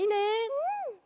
うん！